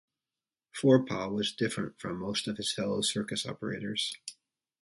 Forepaugh was different from most of his fellow circus operators.